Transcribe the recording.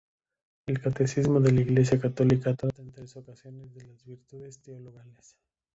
El Catecismo de la Iglesia católica trata en tres ocasiones de las virtudes teologales.